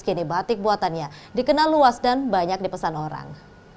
kini batik buatannya dikenal luas dan banyak dipesan orang